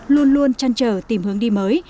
luôn luôn chăn trở tìm hướng đi mới